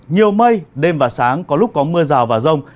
nhiều mây đêm và sáng có lúc có mưa rào và rông